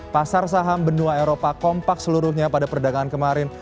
pasar saham benua eropa kompak seluruhnya pada perdagangan kemarin